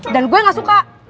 dan gue gak suka